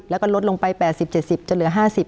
แล้วก็ลดลงไป๘๐๗๐จะเหลือ๕๐